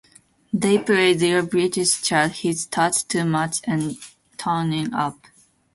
They played their British chart hits "Touch Too Much" and "Toughen Up".